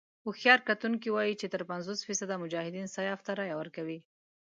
هوښیار کتونکي وايي چې تر پينځوس فيصده مجاهدين سیاف ته رايه ورکوي.